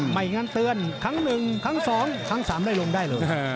ไม่งั้นเตือนครั้งหนึ่งครั้งสองครั้งสามได้ลงได้เลย